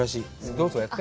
どうぞ、やって。